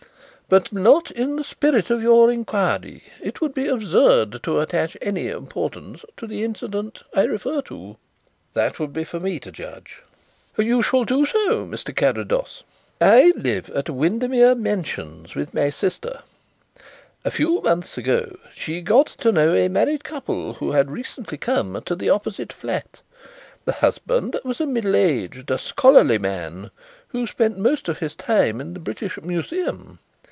But not in the spirit of your inquiry. It would be absurd to attach any importance to the incident I refer to." "That would be for me to judge." "You shall do so, Mr. Carrados. I live at Windermere Mansions with my sister. A few months ago she got to know a married couple who had recently come to the opposite flat. The husband was a middle aged, scholarly man who spent most of his time in the British Museum.